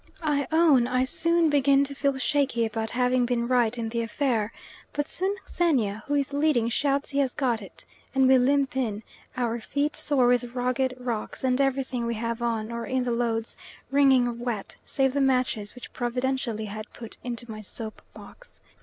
I own I soon begin to feel shaky about having been right in the affair, but soon Xenia, who is leading, shouts he has got it, and we limp in, our feet sore with rugged rocks, and everything we have on, or in the loads, wringing wet, save the matches, which providentially I had put into my soap box.